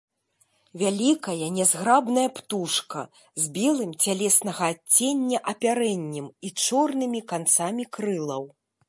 Вялікая, нязграбная птушка, з белым цялеснага адцення апярэннем і чорнымі канцамі крылаў.